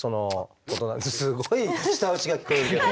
すごい舌打ちが聞こえるけど。